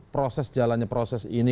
proses jalannya proses ini